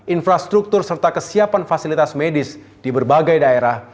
infrastruktur serta kesiapan fasilitas medis di berbagai daerah